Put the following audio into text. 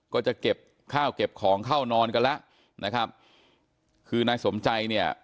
ก็จะเก็บข้าวเก็บของเข้านอนกันแล้วนะครับคือนายสมใจเนี่ย